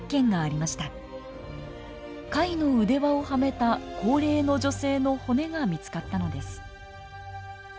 貝の腕輪をはめた高齢の女性の骨が見つかったのです。